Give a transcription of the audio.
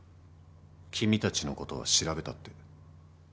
君たちのことは調べたって。